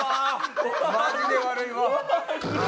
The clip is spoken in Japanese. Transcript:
マジで悪いわ。